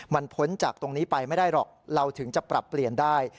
มันพ้นจากตรงนี้ไปไม่ได้หรอกเราถึงจะปรับเปลี่ยนได้